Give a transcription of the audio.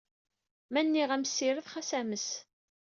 Ma nniɣ-am ssired, xas ames.